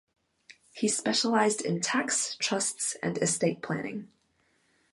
He specialised in tax, trusts, and estate planning.